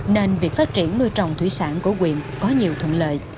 nên việc phát triển nuôi trồng thủy sản của quyện có nhiều thuận lợi